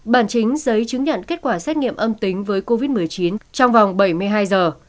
bản chính giấy chứng nhận kết quả xét nghiệm âm tính với covid một mươi chín trong vòng bảy mươi hai giờ